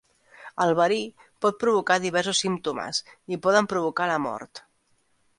El verí pot provocar diversos símptomes i poden provocar la mort.